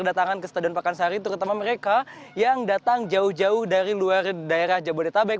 datangan ke stadion pakansari terutama mereka yang datang jauh jauh dari luar daerah jabodetabek